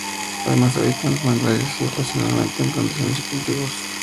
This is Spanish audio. Además habita en los manglares y ocasionalmente en las plantaciones y cultivos.